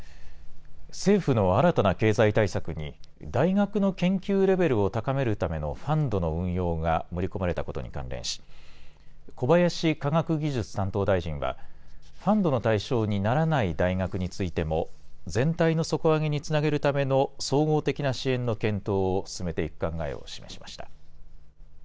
政府の新たな経済対策に大学の研究レベルを高めるためのファンドの運用が盛り込まれたことに関連し小林科学技術担当大臣はファンドの対象にならない大学についても全体の底上げにつなげるための総合的な支援の検討を進めていく考えを示しました。